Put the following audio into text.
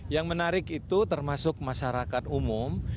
yang menarik itu termasuk masyarakat umum